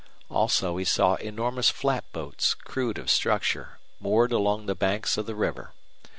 Also he saw enormous flat boats, crude of structure, moored along the banks of the river.